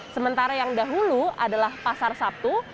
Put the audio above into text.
sementara yang dahulu adalah pasar sabtu